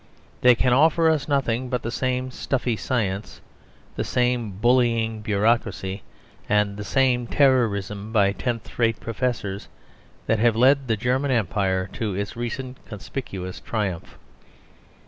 They can offer us nothing but the same stuffy science, the same bullying bureaucracy and the same terrorism by tenth rate professors that have led the German Empire to its recent conspicuous triumph.